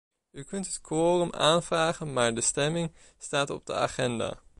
U kunt het quorum aanvragen maar de stemming staat op de agenda.